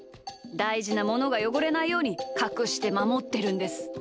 だいじなものがよごれないようにかくしてまもってるんです。